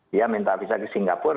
dia minta visa ke singapura